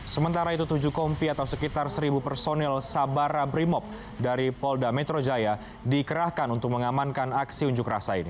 sementara itu tujuh kompi atau sekitar seribu personil sabara brimob dari polda metro jaya dikerahkan untuk mengamankan aksi unjuk rasa ini